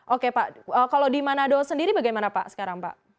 oke pak kalau di manado sendiri bagaimana pak sekarang pak